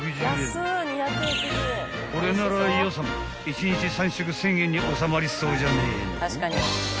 ［これなら予算１日３食１，０００円におさまりそうじゃねえの？］